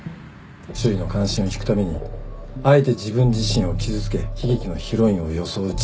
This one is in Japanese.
周囲の関心を引くためにあえて自分自身を傷つけ悲劇のヒロインを装う人物。